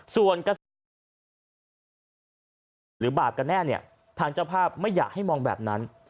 ส่วนกษัตริย์หรือบาปก็แน่เนี่ยทางเจ้าภาพไม่อยากให้มองแบบนั้น